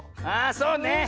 ああそうね。